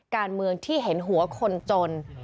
การเมืองที่เห็นหัวคนจน